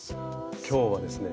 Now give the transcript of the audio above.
今日はですね